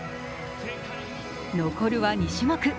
残るは２種目。